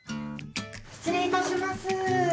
失礼いたします。